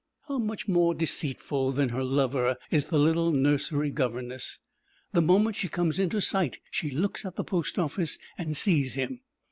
How much more deceitful than her lover is the little nursery governess. The moment she comes into sight she looks at the post office and sees him.